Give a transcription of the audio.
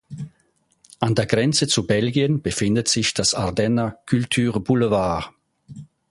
An der Grenze zu Belgien befindet sich das "Ardenner Cultur Boulevard".